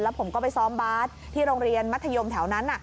ผมก็ไปซ้อมบาสที่โรงเรียนมัธยมแถวนั้น